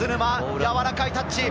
やわらかいタッチ。